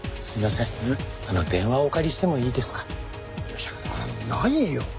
いやないよ。